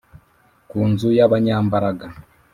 ku Nzu y Abanyambaraga